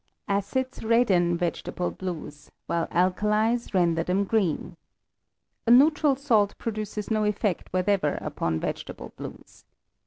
Acids redden veg etable blues, while alkalies render them green, A neutral salt produces no effect whatever upon vegetable blues.